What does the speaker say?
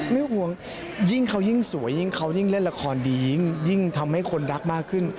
ห่วงยิ่งเขายิ่งสวยยิ่งเขายิ่งเล่นละครดียิ่งทำให้คนรักมากขึ้น